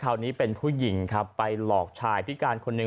คราวนี้เป็นผู้หญิงครับไปหลอกชายพิการคนหนึ่ง